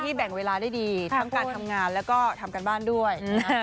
แบ่งเวลาได้ดีทั้งการทำงานแล้วก็ทำการบ้านด้วย